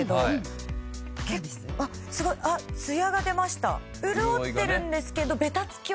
すごいあっツヤが出ました。